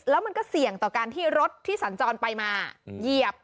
แล้วมันก็เสี่ยงต่อการที่รถที่สัญจรไปมาเหยียบ